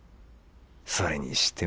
それにしても。